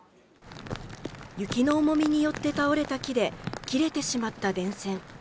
雪の重みによって倒れた木で切れてしまった電線。